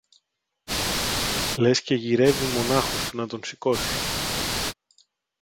Λες και γυρεύει μονάχος του να τον σηκώσει.